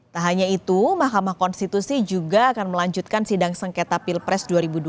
tak hanya itu mahkamah konstitusi juga akan melanjutkan sidang sengketa pilpres dua ribu dua puluh